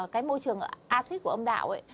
cái môi trường acid của âm đạo